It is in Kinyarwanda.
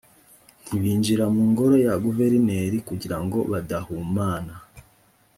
ntibinjira mu ngoro ya guverineri kugira ngo badahumana